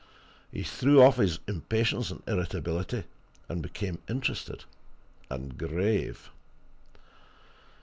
He threw off his impatience and irritability, and became interested and grave.